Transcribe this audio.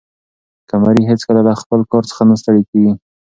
قمري هیڅکله له خپل کار څخه نه ستړې کېږي.